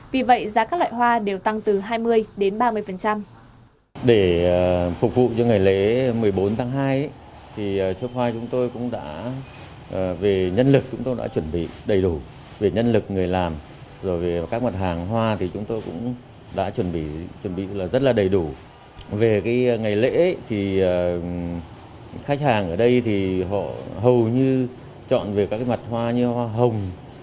vì vậy giá các loại hoa đều tăng từ hai mươi đến ba mươi